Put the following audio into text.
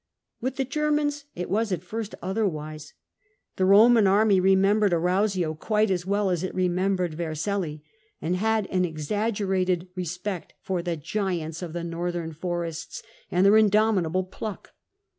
With the Germans it was at first otherwise. The Roman army remembered Arausio quite as well as it remembered Vercellm, and had an exaggerated respect for the " giants " of the northern forest.s, and their indomit able pluck.